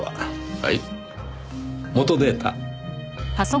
はい。